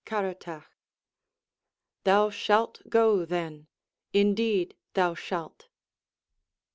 Caratach Thou shalt go, then; Indeed thou shalt.